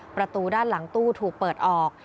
ประตูด้านหลังตู้ถูกเปิดออก